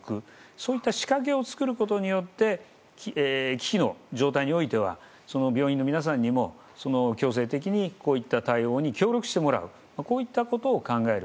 そういった仕掛けを作ることによって危機の状態においては病院の皆さんにもその強制的にこういった対応に協力してもらうこういったことを考える。